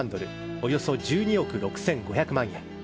およそ１２億６５００万円。